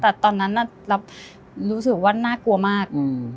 แต่ตอนนั้นเรารู้สึกว่าน่ากลัวมาก